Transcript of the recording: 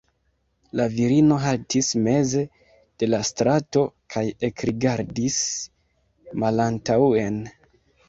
La virino haltis meze de la strato kaj ekrigardis malantaŭen.